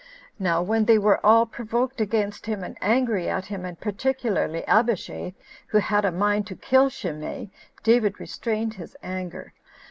Now when they were all provoked against him, and angry at him, and particularly Abishai, who had a mind to kill Shimei, David restrained his anger.